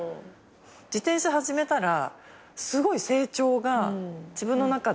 自転車始めたらすごい成長が自分の中であって。